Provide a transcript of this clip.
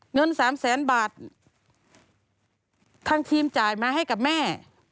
เงินสามแสนบาททางทีมจ่ายมาให้กับแม่